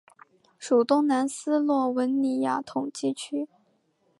属东南斯洛文尼亚统计区。